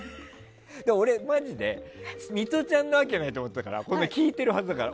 俺、マジでミトちゃんなわけないと思ってたから聞いてるはずだから。